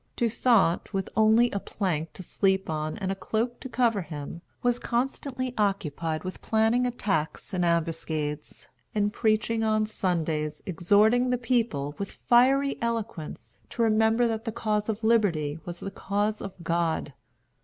Toussaint, with only a plank to sleep on and a cloak to cover him, was constantly occupied with planning attacks and ambuscades, and preaching on Sundays, exhorting the people, with fiery eloquence, to remember that the cause of Liberty was the cause of God.